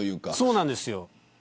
そうなんですよ。